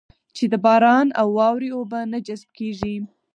چې د باران او واورې اوبه نه جذب کېږي.